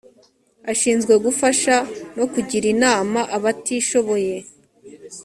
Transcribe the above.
ashinzwe gufasha no kugira inama abatishoboye.